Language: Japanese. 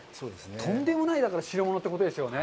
とんでもない代物ということですよね。